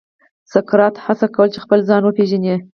سقراط هڅه کوله چې خپل ځان وپېژني.